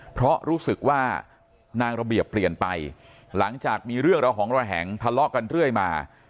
เพราะรู้สึกว่านางระเบียบเปลี่ยนไปหลังจากมีเรื่องระหองระแหงทะเลาะกันเรื่อยมา